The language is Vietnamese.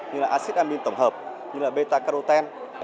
như là acid amine tổng hợp như là beta carotene